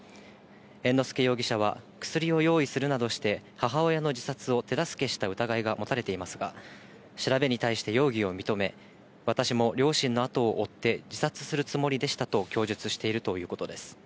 猿之助容疑者は薬を用意するなどして、母親の自殺を手助けした疑いが持たれていますが、調べに対して容疑を認め、私も両親の後を追って自殺するつもりでしたと供述しているということです。